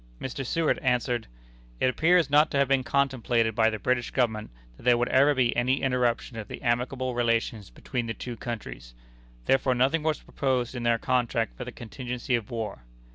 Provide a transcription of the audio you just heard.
Mr. Seward answered: "It appears not to have been contemplated by the British Government that there would ever be any interruption of the amicable relations between the two countries. Therefore nothing was proposed in their contract for the contingency of war.